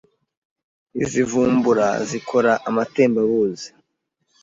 Izi mvubura zikora amatembabuzi